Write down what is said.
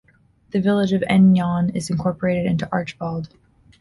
The village of Eynon is incorporated into Archbald.